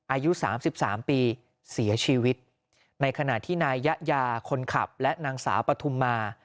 อายุสามสิบสามปีเสียชีวิตในขณะที่นายยะยาคนขับและนางสาวปฐุมมา